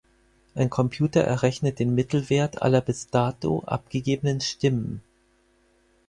Ein Computer errechnet den Mittelwert aller bis dato abgegebenen Stimmen.